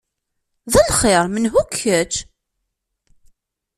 D lxir! Menhu-k kečč?